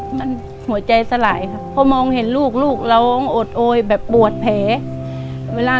หมดค่าใช้จ่ายในการเดินทางเป็นแสนค่ะ